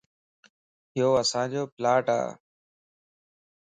يو اسانجو پلاٽ ا